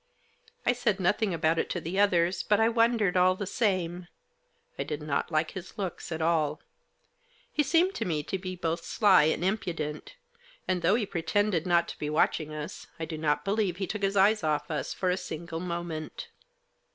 I said nothing about it to the others, but I wondered, all the same. L did not like his looks at all. He seemed to me to be both sly and impudent; and though he pretended not to be watching us, I do not believe he took his eyes off us for a single moment.